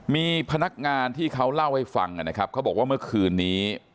มีพนักงานที่เขาเล่าให้ฟังนะครับเขาบอกว่าเมื่อคืนนี้